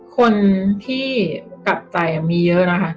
คนที่กลับใจมีเยอะนะคะ